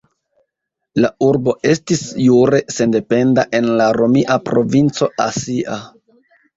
La urbo estis jure sendependa en la romia provinco Asia.